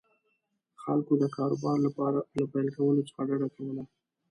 خلکو د کاروبار له پیل کولو څخه ډډه کوله.